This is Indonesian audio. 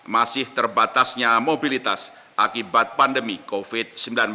masih terbatasnya mobilitas akibat pandemi covid sembilan belas